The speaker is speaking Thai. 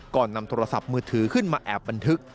ก่อนนำโทรศัพท์มือถือขึ้นมาแอบบันทึก